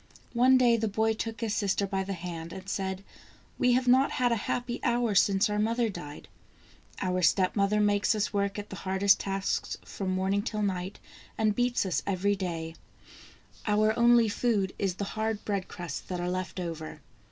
One day the boy took his sister by the hand, and said : "We have not had a happy hour since our mother died. Our step mother makes us work at the hardest tasks from morning till night, and beats us every day. Our 197 THE ENCHANTED FA WN only food is the hard bread crusts that are left over.